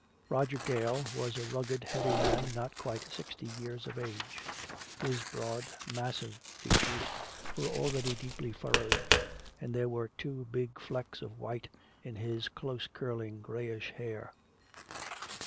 Roger Gale was a rugged heavy man not quite sixty years of age. His broad, massive features were already deeply furrowed, and there were two big flecks of white in his close curling, grayish hair.